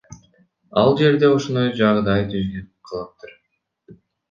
Ал жерде ошондой жагдай түзүлүп калыптыр.